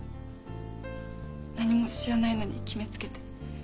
何も知らないのに決め付けて。